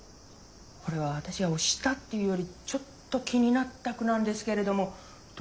これは私が推したというよりちょっと気になった句なんですけれどもどなたの？